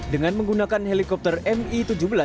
dengan menggunakan helikopter mi tujuh belas